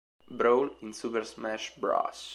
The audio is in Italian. Brawl", in "Super Smash Bros.